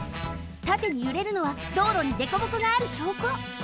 たてにゆれるのは道路にでこぼこがあるしょうこ。